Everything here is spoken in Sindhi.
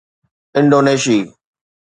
انڊونيشي